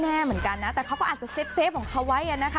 แน่เหมือนกันนะแต่เขาก็อาจจะเซฟของเขาไว้นะคะ